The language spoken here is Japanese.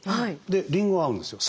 でりんご合うんですよ。